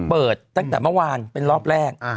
เปิดตั้งแต่เมื่อวานเป็นรอบแรก